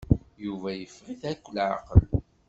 Yuba iffeɣ-it akk leɛqel.